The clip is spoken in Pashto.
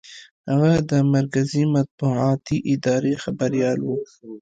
هغه د مرکزي مطبوعاتي ادارې خبریال و.